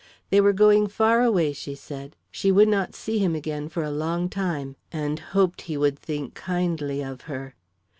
They were going far away, she said; she would not see him again for a long time, and hoped he would think kindly of her.